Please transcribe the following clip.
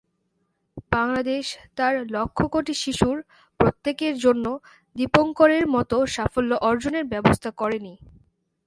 বাংলাদেশ তার লক্ষ-কোটি শিশুর প্রত্যেকের জন্য দীপঙ্করের মতো সাফল্য অর্জনের ব্যবস্থা করেনি।